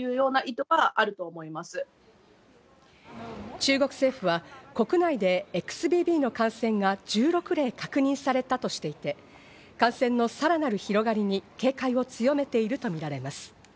中国政府は国内でＸＢＢの感染が１６例確認されたとしていて感染のさらなる広がりに警戒を強めているとみられます。